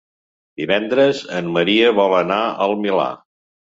Divendres en Maria vol anar al Milà.